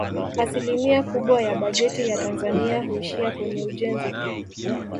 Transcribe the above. Asilimia kubwa ya bajeti ya Tanzania huishia kwenye ujenzi